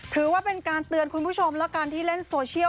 ถือว่าเป็นการเตือนคุณผู้ชมแล้วกันที่เล่นโซเชียล